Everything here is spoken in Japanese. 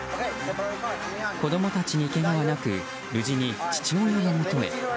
子供たちにけがはなく無事に父親のもとへ。